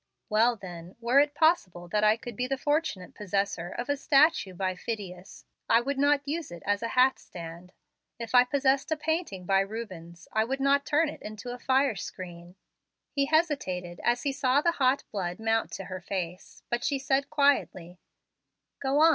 "Well, then, were it possible that I could be the fortunate possessor of a statue by Phidias, I would not use it as a hat stand. If I possessed a painting by Rubens, I would not turn it into a fire screen." He hesitated, as he saw the hot blood mount to her face; but she said quietly, "Go on.